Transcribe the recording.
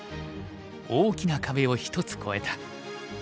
大きな壁を一つ越えた。